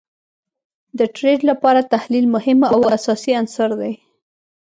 د ټریډ لپاره تحلیل مهم او اساسی عنصر دي